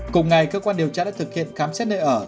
cùng ngày cơ quan điều tra đã thực hiện khám xét nơi ở